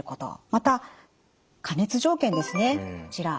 また加熱条件ですねこちら。